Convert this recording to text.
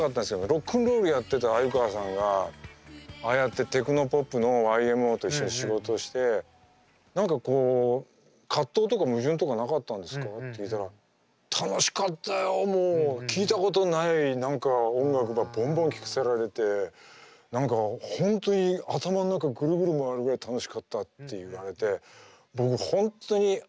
ロックンロールやってた鮎川さんがああやってテクノポップのＹＭＯと一緒に仕事をして何かこう葛藤とか矛盾とかなかったんですかって聞いたら「楽しかったよもう聴いたことない何か音楽ばボンボン聴かせられて何か本当に頭の中グルグル回るぐらい楽しかった」って言われて僕本当にあ